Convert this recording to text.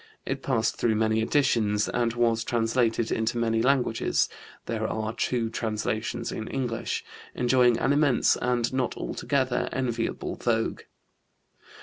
It passed through many editions and was translated into many languages (there are two translations in English), enjoying an immense and not altogether enviable vogue.